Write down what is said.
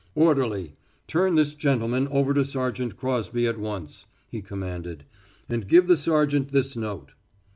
"Orderly, turn this gentleman over to Sergeant Crosby at once," he commanded, "and give the sergeant this note."